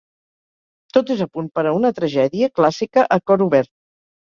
Tot és a punt per a una tragèdia clàssica a cor obert.